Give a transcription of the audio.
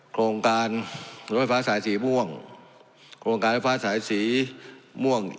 โครงการรถไฟฟ้าสายสีม่วงโครงการไฟฟ้าสายสีม่วง